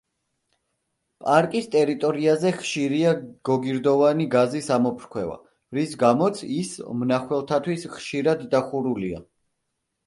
პარკის ტერიტორიაზე ხშირია გოგირდოვანი გაზის ამოფრქვევა, რის გამოც ის მნახველთათვის ხშირად დახურულია.